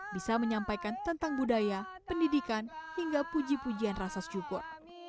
bisa menyampaikan tentang budaya pendidikan hingga puji pujian rasa syukur